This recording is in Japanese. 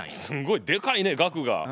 すんごいでかいね額が。